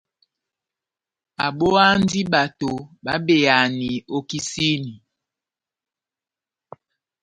Abówandi bato babeyahani ó kisini.